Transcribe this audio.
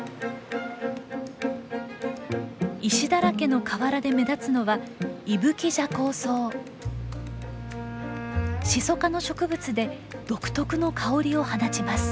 石だらけの河原で目立つのはシソ科の植物で独特の香りを放ちます。